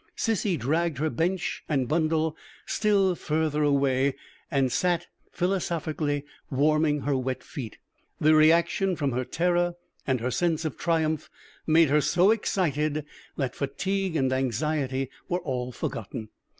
Sissy dragged her bench and bundle still further away, and sat philosophically warming her wet feet. The reaction from her terror, and her sense of triumph, made her so excited that fatigue and anxiety were all forgotten.